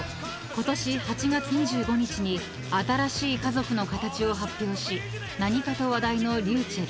ことし８月２５日に新しい家族の形を発表し何かと話題のｒｙｕｃｈｅｌｌ］